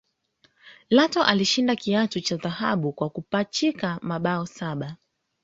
Lato alishinda kiatu cha dhahabu kwa kupachika mabao saba